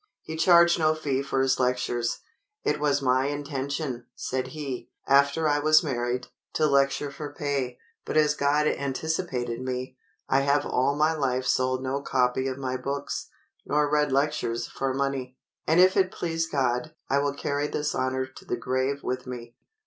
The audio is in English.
He charged no fee for his lectures. "It was my intention," said he, "after I was married, to lecture for pay. But as God anticipated me, I have all my life sold no copy of my books, nor read lectures for money. And if it please God, I will carry this honor to the grave with me."